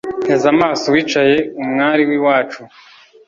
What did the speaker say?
Nteze amaso uwicaye umwari w’iwacu